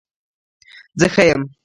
زه ښه يم